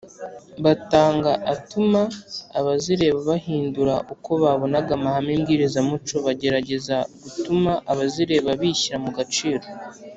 batanga atuma abazireba bahindura uko babonaga amahame mbwirizamuco Bagerageza gutuma abazireba bishyira mugaciro